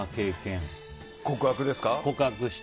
告白ですか？